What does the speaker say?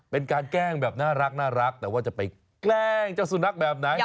แกล้งแบบน่ารักแต่ว่าจะไปแกล้งเจ้าสุนัขแบบไหน